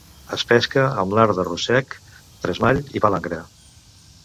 Es pesca amb l'art de ròssec, tresmall i palangre.